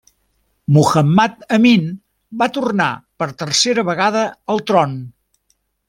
Muhammad Amin va tornar per tercera vegada al tron.